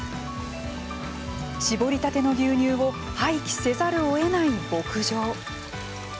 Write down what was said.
搾りたてのを牛乳を廃棄せざるをえない牧場。